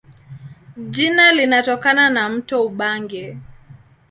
Jina linatokana na mto Ubangi.